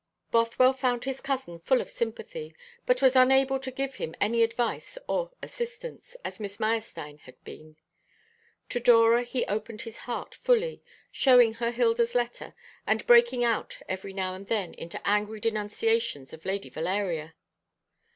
Bothwell found his cousin full of sympathy, but was unable to give him any advice or assistance, as Miss Meyerstein had been. To Dora he opened his heart fully, showing her Hilda's letter, and breaking out every now and then into angry denunciations of Lady Valeria.